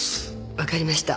分かりました。